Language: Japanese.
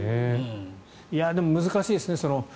でも難しいですね。